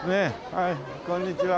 はいこんにちは。